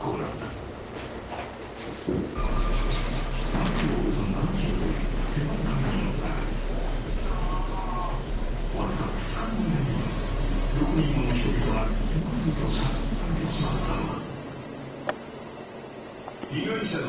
［半径およそ７ｋｍという狭い範囲の中でわずか２日の間に６人もの人々が次々と射殺されてしまったのだ］